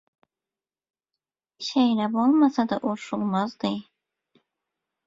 Şeýle bolmasady urşulmazdy.